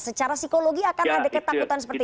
secara psikologi akan ada ketakutan seperti itu